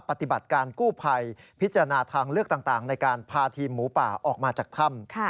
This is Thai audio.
ปฏิบัติการกู้ภัยพิจารณาทางเลือกต่างในการพาทีมหมูป่าออกมาจากถ้ำ